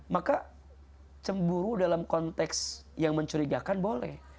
maka cemburu dalam konteks yang mencurigakan boleh